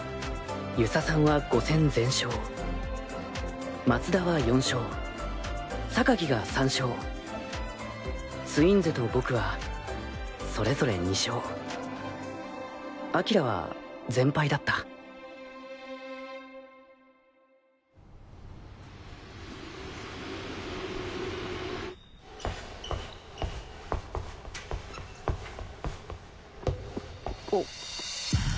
遊佐さんは５戦全勝松田は４勝が３勝ツインズと僕はそれぞれ２勝輝は全敗だったお。